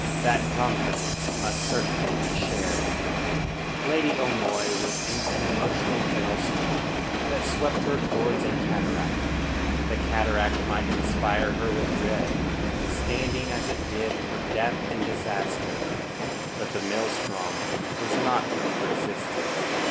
That confidence must certainly be shared. Lady O'Moy was in an emotional maelstrom that swept her towards a cataract. The cataract might inspire her with dread, standing as it did for death and disaster, but the maelstrom was not to be resisted.